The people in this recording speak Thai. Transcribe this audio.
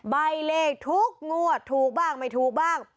ใบเลขทุกงวดถูกบ้างไม่ถูกบ้าง